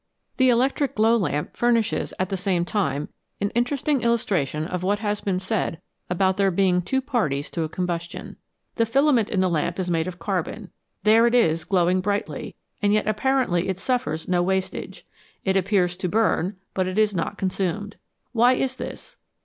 The electric glow lamp furnishes at the same time an interesting illustration of what has been said about there being two parties to a combustion. The filament in the lamp is made of carbon ; there it is, glowing brightly, and yet apparently it suffers no wastage ; it appears to burn, but it is not consumed. Why is this